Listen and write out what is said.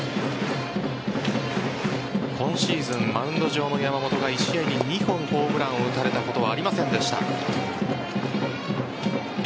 今シーズンマウンド上の山本が１試合に２本ホームランを打たれたことはありませんでした。